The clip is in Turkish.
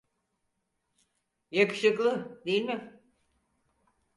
Yakışıklı, değil mi?